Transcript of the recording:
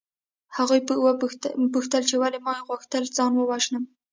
هغوی پوښتل چې ولې مې غوښتل ځان ووژنم